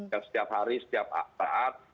yang setiap hari setiap saat